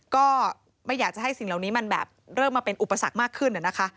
ก็ไม่อยากจะให้สิ่งเหล่านี้มันแบบเริ่มมาเป็นอุปสรรคมากขึ้นนะคะ